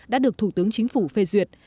đã được thủ tướng chính phủ phê duyệt